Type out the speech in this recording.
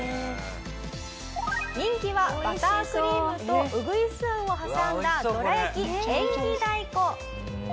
人気はバタークリームとうぐいすあんを挟んだどら焼き縁起太鼓。